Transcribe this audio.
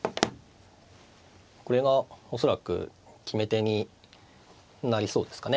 これが恐らく決め手になりそうですかね。